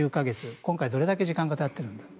今回、どれだけ時間が経っているんだと。